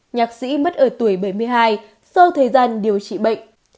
nhạc sĩ mất ở tuổi bảy mươi hai sau thời gian điều trị bệnh